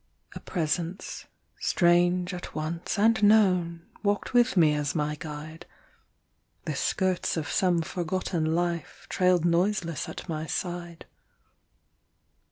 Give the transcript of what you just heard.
A presence, strange at once and known, Walked with me as my guide; The skirts of some forgotten life Trailed noiseless at my side.